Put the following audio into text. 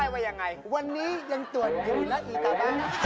เมื่อวานสืน